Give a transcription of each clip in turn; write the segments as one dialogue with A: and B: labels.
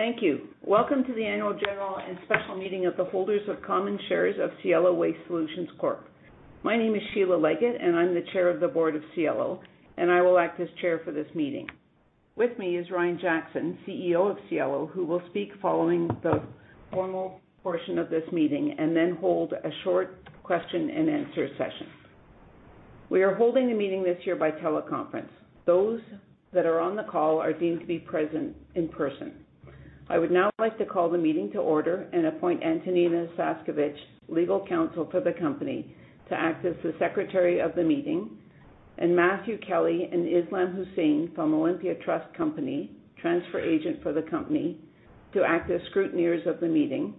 A: Thank you. Welcome to the annual general and special meeting of the holders of common shares of Cielo Waste Solutions Corp. My name is Sheila Leggett, and I'm the chair of the board of Cielo, and I will act as chair for this meeting. With me is Ryan Jackson, CEO of Cielo, who will speak following the formal portion of this meeting and then hold a short question-and-answer session. We are holding the meeting this year by teleconference. Those that are on the call are deemed to be present in person. I would now like to call the meeting to order and appoint Antonina Szaszkiewicz, legal counsel for the company, to act as the secretary of the meeting, and Matthew Kelly and Islam Hussein from Olympia Trust Company, transfer agent for the company, to act as scrutineers of the meeting,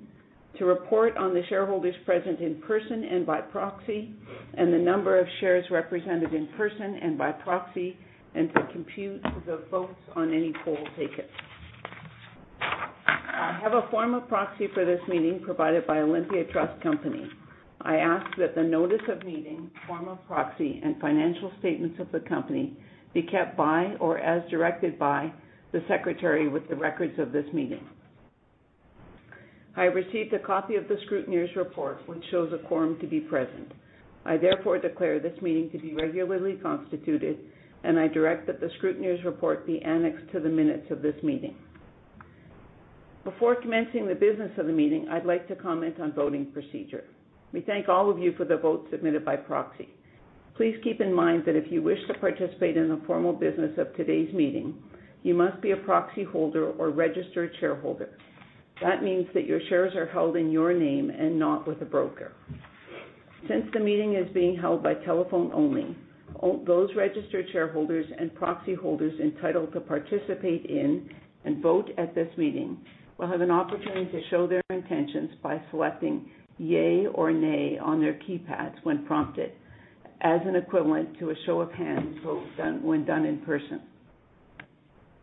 A: to report on the shareholders present in person and by proxy, and the number of shares represented in person and by proxy, and to compute the votes on any poll taken. I have a form of proxy for this meeting provided by Olympia Trust Company. I ask that the notice of meeting, form of proxy, and financial statements of the company be kept by or as directed by the secretary with the records of this meeting. I received a copy of the scrutineer's report, which shows a quorum to be present. I therefore declare this meeting to be regularly constituted, and I direct that the scrutineer's report be annexed to the minutes of this meeting. Before commencing the business of the meeting, I'd like to comment on voting procedure. We thank all of you for the votes submitted by proxy. Please keep in mind that if you wish to participate in the formal business of today's meeting, you must be a proxy holder or registered shareholder. That means that your shares are held in your name and not with a broker. Since the meeting is being held by telephone only, all those registered shareholders and proxy holders entitled to participate in and vote at this meeting will have an opportunity to show their intentions by selecting yay or nay on their keypads when prompted, as an equivalent to a show of hands vote done, when done in person.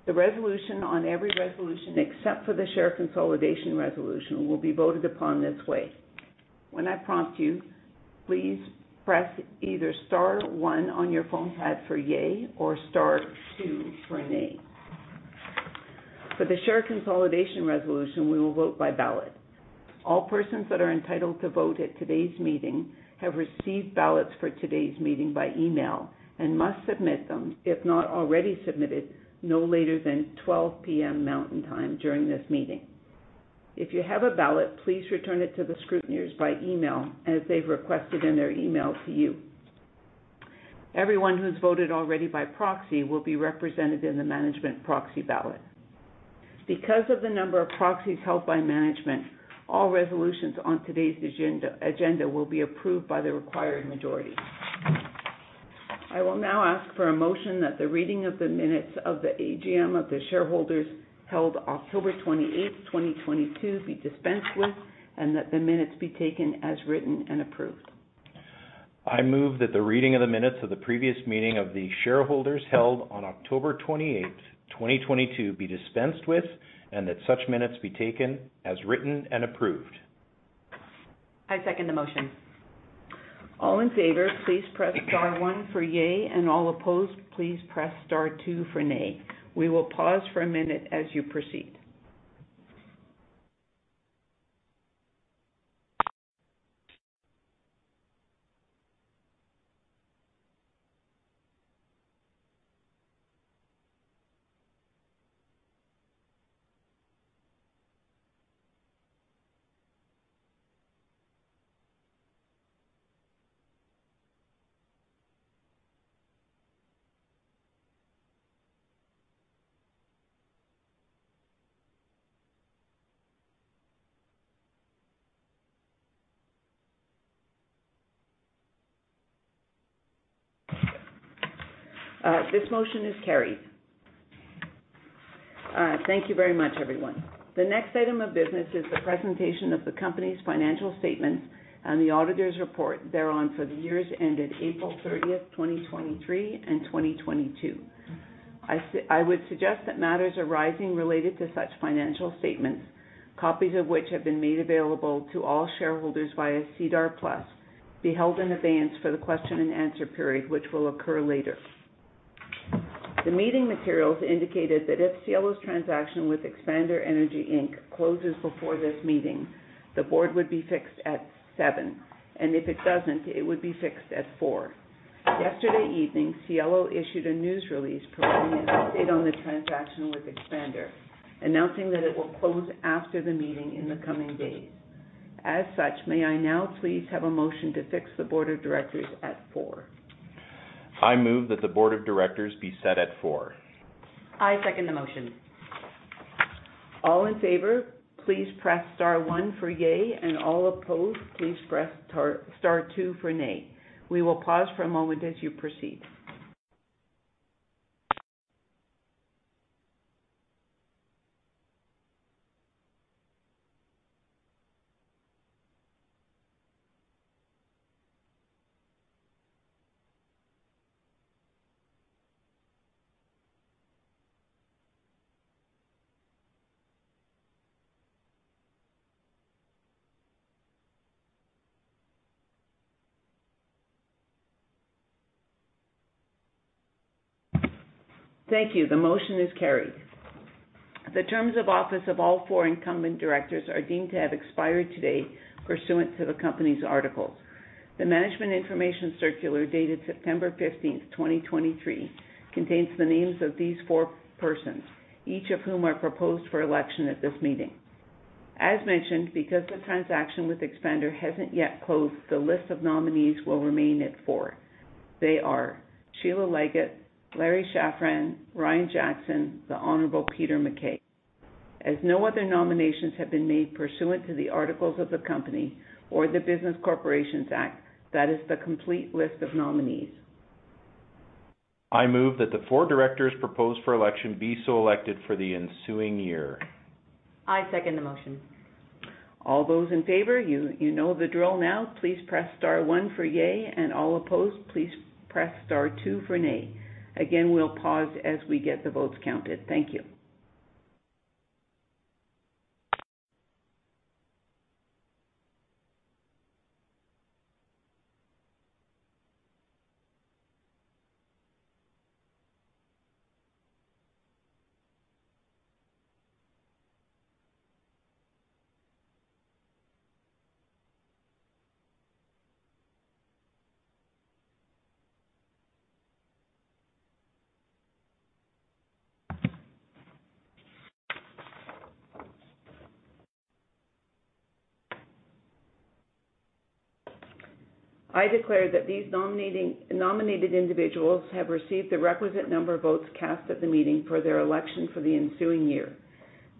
A: The resolution on every resolution, except for the Share Consolidation resolution, will be voted upon this way. When I prompt you, please press either star one on your phone pad for yay or star two for nay. For the Share Consolidation resolution, we will vote by ballot. All persons that are entitled to vote at today's meeting have received ballots for today's meeting by email and must submit them, if not already submitted, no later than 12 P.M. Mountain Time during this meeting. If you have a ballot, please return it to the scrutineers by email as they've requested in their email to you. Everyone who's voted already by proxy will be represented in the management proxy ballot. Because of the number of proxies held by management, all resolutions on today's agenda will be approved by the required majority. I will now ask for a motion that the reading of the minutes of the AGM of the shareholders held October 28th, 2022, be dispensed with, and that the minutes be taken as written and approved.
B: I move that the reading of the minutes of the previous meeting of the shareholders held on October 28th, 2022, be dispensed with, and that such minutes be taken as written and approved.
A: I second the motion. All in favor, please press star one for yay, and all opposed, please press star two for nay. We will pause for a minute as you proceed. This motion is carried. Thank you very much, everyone. The next item of business is the presentation of the company's financial statements and the auditor's report thereon for the years ended April 30, 2023 and 2022. I would suggest that matters arising related to such financial statements, copies of which have been made available to all shareholders via SEDAR+, be held in advance for the question and answer period, which will occur later. The meeting materials indicated that if Cielo's transaction with Expander Energy Inc. closes before this meeting, the board would be fixed at seven, and if it doesn't, it would be fixed at four. Yesterday evening, Cielo issued a news release providing an update on the transaction with Expander, announcing that it will close after the meeting in the coming days. As such, may I now please have a motion to fix the board of directors at four?
B: I move that the Board of Directors be set at four.
A: I second the motion. All in favor, please press star one for yay, and all opposed, please press star two for nay. We will pause for a moment as you proceed. Thank you. The motion is carried. The terms of office of all four incumbent directors are deemed to have expired today pursuant to the company's articles. The Management Information Circular, dated September 15, 2023, contains the names of these four persons, each of whom are proposed for election at this meeting. As mentioned, because the transaction with Expander hasn't yet closed, the list of nominees will remain at four. They are Sheila Leggett, Larry Schafran, Ryan Jackson, the Hon. Peter MacKay. As no other nominations have been made pursuant to the articles of the company or the Business Corporations Act, that is the complete list of nominees.
B: I move that the four directors proposed for election be so elected for the ensuing year.
A: I second the motion. All those in favor, you know the drill now, please press star one for yay, and all opposed, please press star two for nay. Again, we'll pause as we get the votes counted. Thank you. I declare that these nominated individuals have received the requisite number of votes cast at the meeting for their election for the ensuing year.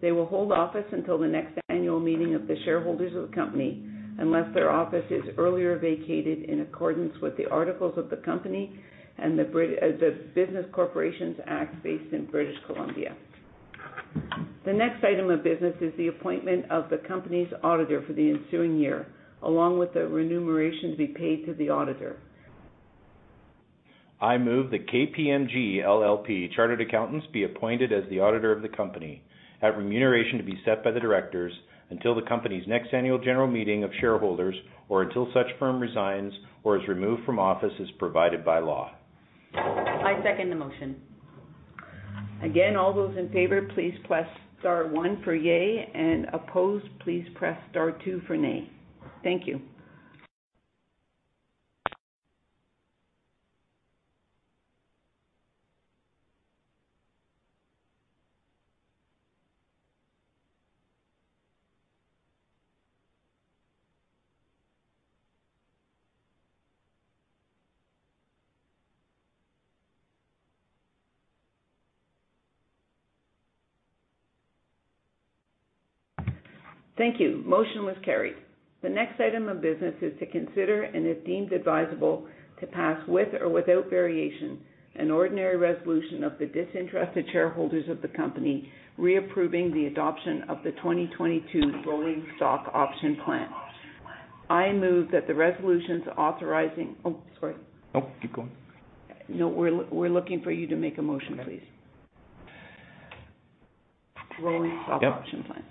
A: They will hold office until the next annual meeting of the shareholders of the company, unless their office is earlier vacated in accordance with the articles of the company and the Business Corporations Act based in British Columbia. The next item of business is the appointment of the company's auditor for the ensuing year, along with the remuneration to be paid to the auditor.
B: I move that KPMG LLP Chartered Accountants be appointed as the auditor of the company, at remuneration to be set by the directors until the company's next annual general meeting of shareholders or until such firm resigns or is removed from office as provided by law.
A: I second the motion. Again, all those in favor, please press star one for yay, and opposed, please press star two for nay. Thank you. Thank you. Motion was carried. The next item of business is to consider, and if deemed advisable, to pass, with or without variation, an ordinary resolution of the disinterested shareholders of the company, reapproving the adoption of the 2022 Rolling Stock Option Plan. I move that the resolutions authorizing... Oh, sorry.
B: No, keep going.
A: No, we're looking for you to make a motion, please. Okay. Rolling Stock Option Plan.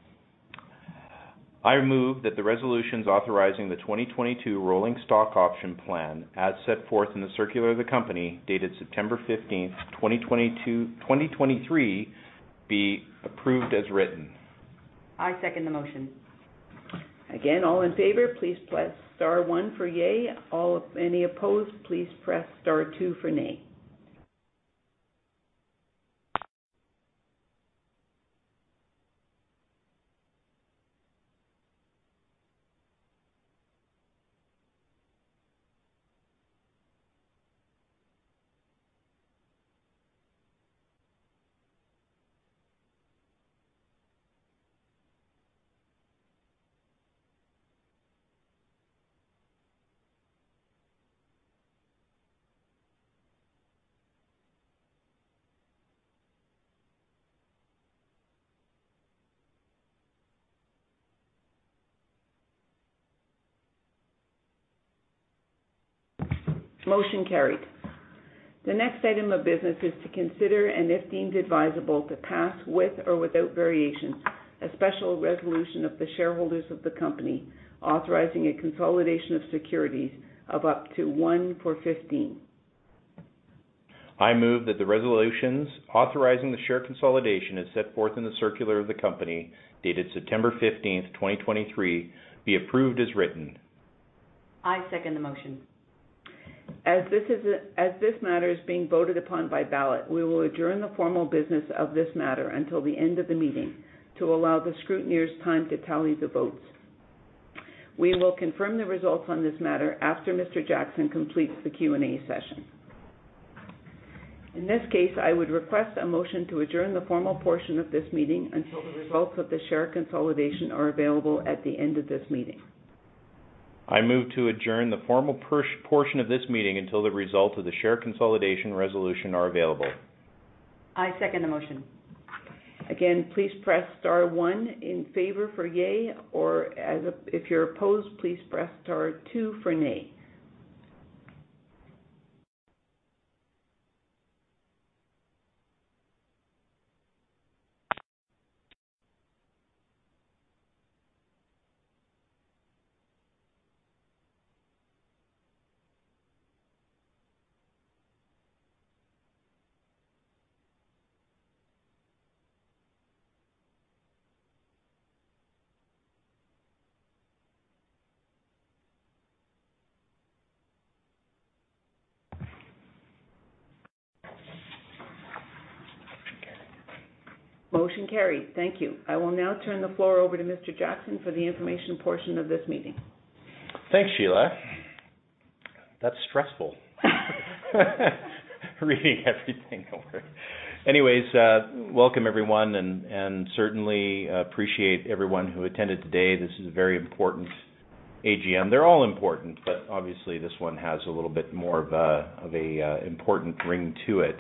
B: Yep. I move that the resolutions authorizing the 2022 Rolling Stock Option Plan, as set forth in the circular of the company, dated September 15, 2022, 2023, be approved as written.
A: I second the motion. Again, all in favor, please press star one for yay. All, any opposed, please press star two for nay. Motion carried. The next item of business is to consider, and if deemed advisable, to pass, with or without variation, a special resolution of the shareholders of the company authorizing a consolidation of securities of up to 1:15.
B: I move that the resolutions authorizing the share consolidation as set forth in the circular of the company, dated September 15, 2023, be approved as written.
A: I second the motion. As this matter is being voted upon by ballot, we will adjourn the formal business of this matter until the end of the meeting to allow the scrutineers time to tally the votes. We will confirm the results on this matter after Mr. Jackson completes the Q&A session. In this case, I would request a motion to adjourn the formal portion of this meeting until the results of the share consolidation are available at the end of this meeting.
B: I move to adjourn the formal portion of this meeting until the results of the Share Consolidation resolution are available.
A: I second the motion. Again, please press star one in favor for yay, or as a, if you're opposed, please press star two for nay. Motion carried. Thank you. I will now turn the floor over to Mr. Jackson for the information portion of this meeting.
B: Thanks, Sheila. That's stressful, reading everything over. Anyways, welcome everyone, and certainly appreciate everyone who attended today. This is a very important AGM. They're all important, but obviously, this one has a little bit more of a important ring to it.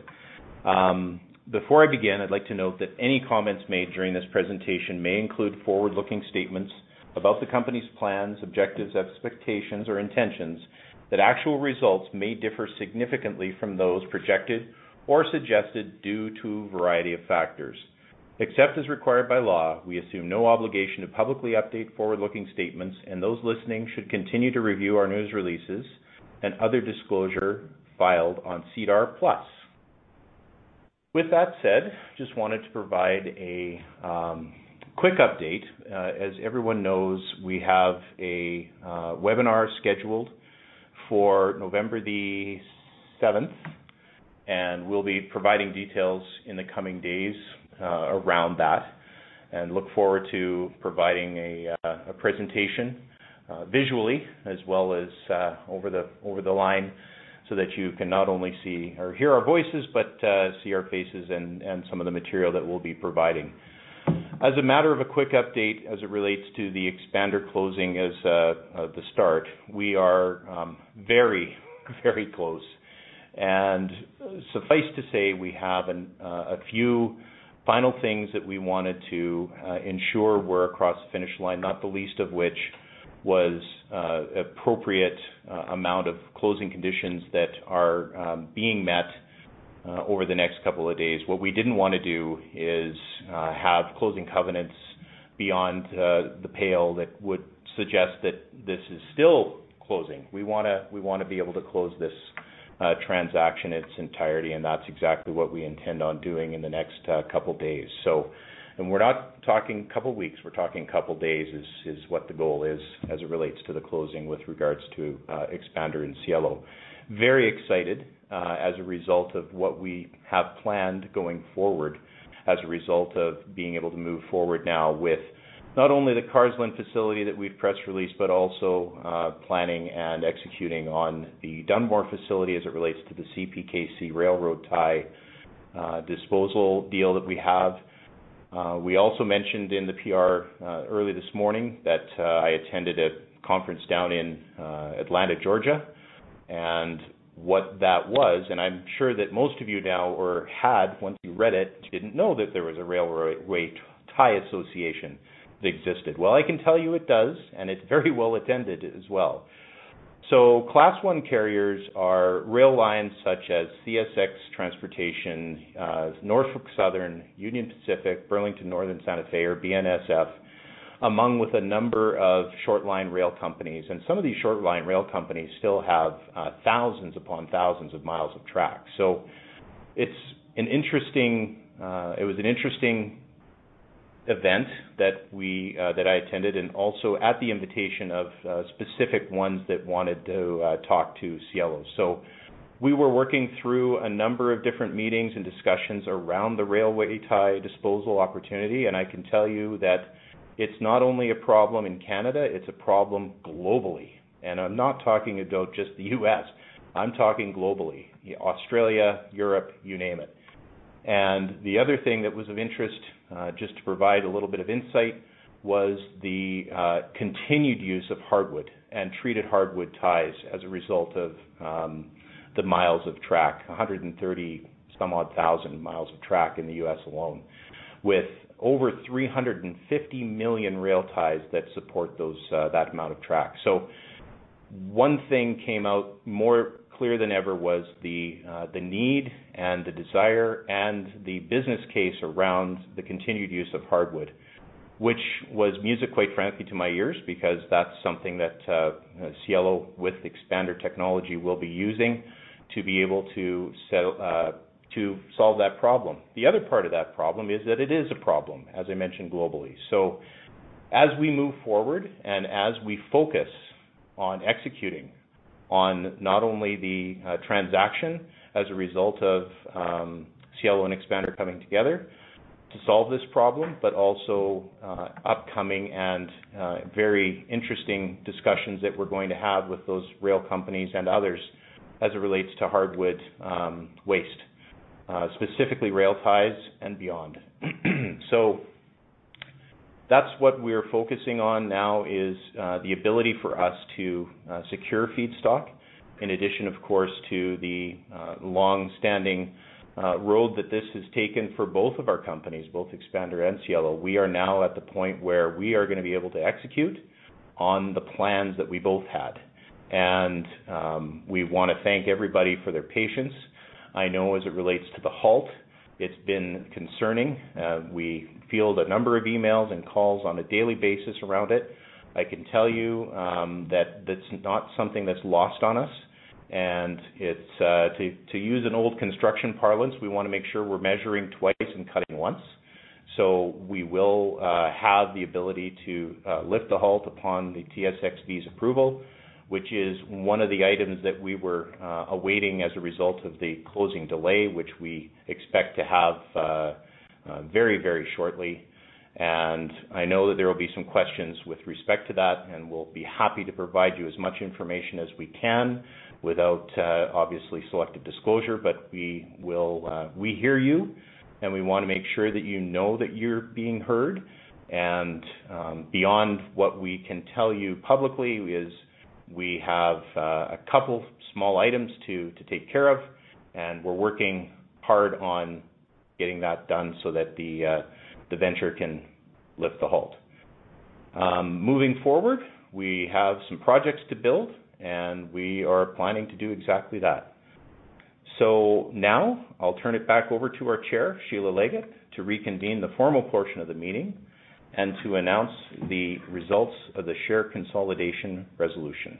B: Before I begin, I'd like to note that any comments made during this presentation may include forward-looking statements about the company's plans, objectives, expectations, or intentions, that actual results may differ significantly from those projected or suggested due to a variety of factors. Except as required by law, we assume no obligation to publicly update forward-looking statements, and those listening should continue to review our news releases and other disclosure filed on SEDAR+. With that said, just wanted to provide a quick update. As everyone knows, we have a webinar scheduled for November 7, and we'll be providing details in the coming days around that. I look forward to providing a presentation visually as well as over the line, so that you can not only hear our voices, but see our faces and some of the material that we'll be providing. As a matter of a quick update, as it relates to the Expander closing, as the start, we are very, very close. Suffice to say, we have a few final things that we wanted to ensure were across the finish line, not the least of which was the appropriate amount of closing conditions that are being met over the next couple of days. What we didn't want to do is have closing covenants beyond the pale that would suggest that this is still closing. We wanna, we wanna be able to close this transaction in its entirety, and that's exactly what we intend on doing in the next couple days. So... And we're not talking couple weeks, we're talking couple days, is what the goal is as it relates to the closing with regards to Expander and Cielo. Very excited as a result of what we have planned going forward, as a result of being able to move forward now with not only the Carsland facility that we've press released, but also planning and executing on the Dunmore facility as it relates to the CPKC railroad tie disposal deal that we have. We also mentioned in the PR early this morning that I attended a conference down in Atlanta, Georgia. What that was, and I'm sure that most of you now or had, once you read it, didn't know that there was a Railway Tie Association that existed. Well, I can tell you it does, and it's very well attended as well. Class I carriers are rail lines such as CSX Transportation, Norfolk Southern, Union Pacific, BNSF, among with a number of short line rail companies. Some of these short line rail companies still have thousands upon thousands of miles of track. It's an interesting... It was an interesting event that I attended, and also at the invitation of specific ones that wanted to talk to Cielo. So we were working through a number of different meetings and discussions around the railway tie disposal opportunity, and I can tell you that it's not only a problem in Canada, it's a problem globally. And I'm not talking about just the US, I'm talking globally, Australia, Europe, you name it. And the other thing that was of interest, just to provide a little bit of insight, was the continued use of hardwood and treated hardwood ties as a result of the miles of track, 130-some-odd thousand miles of track in the US alone, with over 350 million rail ties that support those that amount of track. One thing that came out more clear than ever was the need and the desire, and the business case around the continued use of hardwood, which was music, quite frankly, to my ears, because that's something that Cielo with Expander Technology will be using to be able to solve that problem. The other part of that problem is that it is a problem, as I mentioned, globally. As we move forward, and as we focus on executing on not only the transaction as a result of Cielo and Expander coming together to solve this problem, but also upcoming and very interesting discussions that we're going to have with those rail companies and others as it relates to hardwood waste, specifically rail ties and beyond. So that's what we're focusing on now, is the ability for us to secure feedstock, in addition, of course, to the long-standing road that this has taken for both of our companies, both Expander and Cielo. We are now at the point where we are gonna be able to execute on the plans that we both had. We want to thank everybody for their patience. I know as it relates to the halt, it's been concerning. We field a number of emails and calls on a daily basis around it. I can tell you that that's not something that's lost on us, and it's to use an old construction parlance, we want to make sure we're measuring twice and cutting once. So we will have the ability to lift the halt upon the TSXV's approval, which is one of the items that we were awaiting as a result of the closing delay, which we expect to have very, very shortly. And I know that there will be some questions with respect to that, and we'll be happy to provide you as much information as we can without obviously selective disclosure. But we will... We hear you, and we want to make sure that you know that you're being heard. And beyond what we can tell you publicly is we have a couple small items to take care of, and we're working hard on getting that done so that the venture can lift the halt. Moving forward, we have some projects to build, and we are planning to do exactly that. So now I'll turn it back over to our chair, Sheila Leggett, to reconvene the formal portion of the meeting and to announce the results of the share consolidation resolution.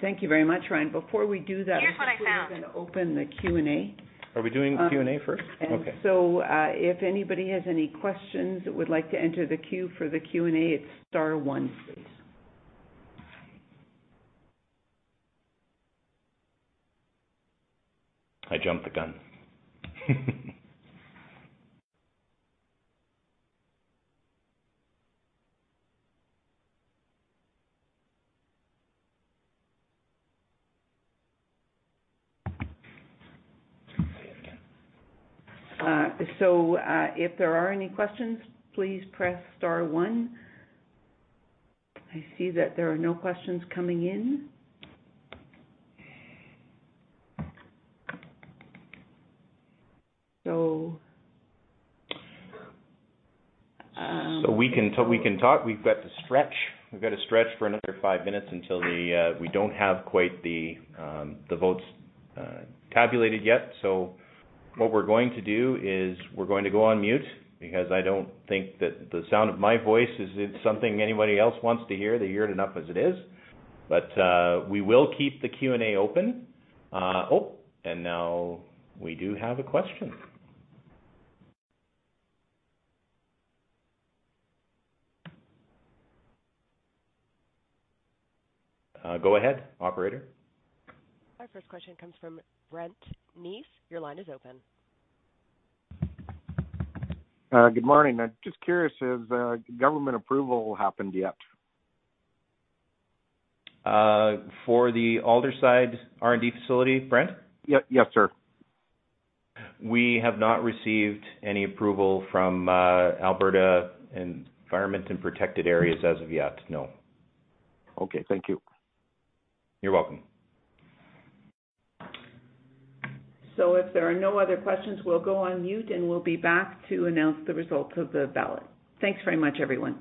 A: Thank you very much, Ryan. Before we do that, here's what I found. We're going to open the Q&A.
B: Are we doing Q&A first? Okay.
A: So, if anybody has any questions, would like to enter the queue for the Q&A, it's star one, please.
B: I jumped the gun.
A: So, if there are any questions, please press star one. I see that there are no questions coming in. So,
B: So we can, so we can talk. We've got to stretch. We've got to stretch for another five minutes until we don't have quite the votes tabulated yet. So what we're going to do is we're going to go on mute, because I don't think that the sound of my voice is something anybody else wants to hear. They hear it enough as it is. But we will keep the Q&A open. Oh, and now we do have a question. Go ahead, operator.
A: Our first question comes from Brent Neath. Your line is open.
C: Good morning. I'm just curious, has government approval happened yet?
B: For the Aldersyde R&D facility, Brent?
C: Yep. Yes, sir.
B: We have not received any approval from Alberta Environment and Protected Areas as of yet. No.
C: Okay, thank you.
B: You're welcome.
A: If there are no other questions, we'll go on mute, and we'll be back to announce the results of the ballot. Thanks very much, everyone.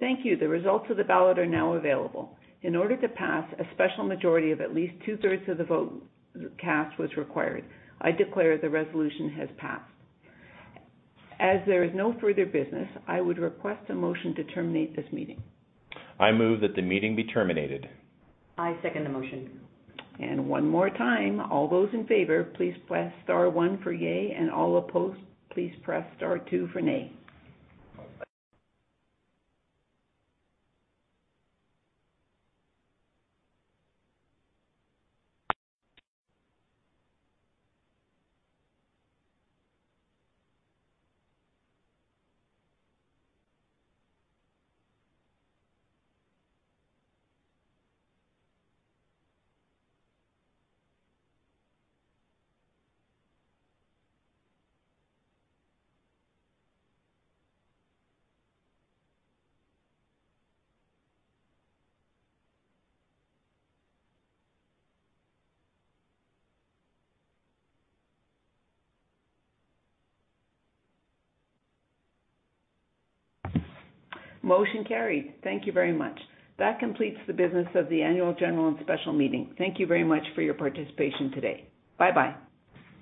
A: Thank you. The results of the ballot are now available. In order to pass, a special majority of at least two-thirds of the vote cast was required. I declare the resolution has passed. As there is no further business, I would request a motion to terminate this meeting.
B: I move that the meeting be terminated.
A: I second the motion. One more time, all those in favor, please press star one for yay, and all opposed, please press star two for nay. Motion carried. Thank you very much. That completes the business of the Annual General and Special Meeting. Thank you very much for your participation today. Bye-bye.